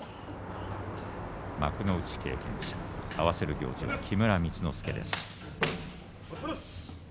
幕内経験者合わせる行司は木村光之助です。